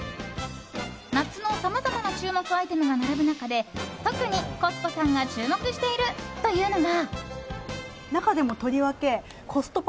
夏のさまざまな注目アイテムが並ぶ中で特にコス子さんが注目しているというのが。